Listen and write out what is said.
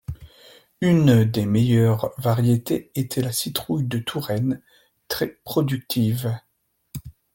Une des meilleures variétés était la citrouille de Touraine, très productive.